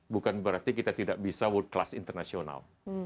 bukan berarti kita tidak bisa world class international